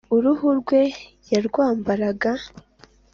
uruhu rwe yarwambaraga .